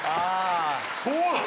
そうなの？